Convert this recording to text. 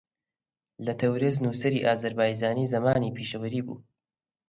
لە تەورێز نووسەری ئازەربایجانی زەمانی پیشەوەری بوو